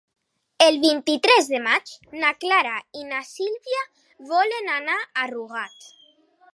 El vint-i-tres de maig na Clara i na Sibil·la voldrien anar a Rugat.